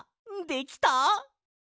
できた！